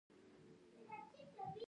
آیا خلک د فقر تر کرښې لاندې دي؟